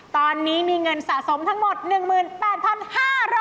ตอนนี้มีเงินสะสมทั้งหมด๑๘๕๐๐บาท